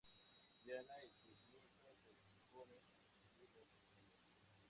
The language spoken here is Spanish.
Diana y sus ninfas se disponen a recibir las ofrendas.